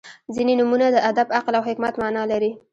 • ځینې نومونه د ادب، عقل او حکمت معنا لري.